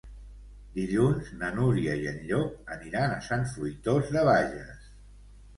Dilluns na Núria i en Llop aniran a Sant Fruitós de Bages.